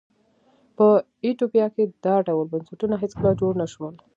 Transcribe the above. په ایتوپیا کې دا ډول بنسټونه هېڅکله جوړ نه شول.